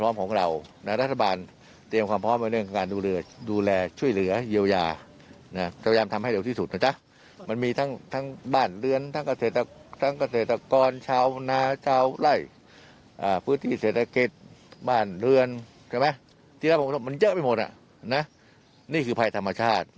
มันเยอะไปหมดน่ะนี่คือภัยธรรมชาติ